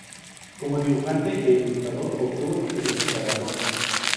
Como dibujante e ilustrador obtuvo diferentes galardones.